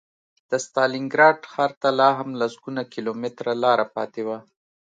د ستالینګراډ ښار ته لا هم لسګونه کیلومتره لاره پاتې وه